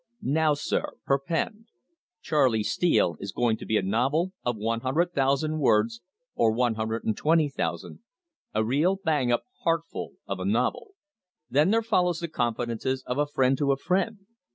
Now, sir, perpend. Charley Steele is going to be a novel of one hundred thousand words or one hundred and twenty thousand a real bang up heartful of a novel." Then there follows the confidence of a friend to a friend.